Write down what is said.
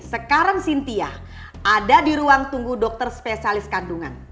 sekarang sintia ada di ruang tunggu dokter spesialis kandungan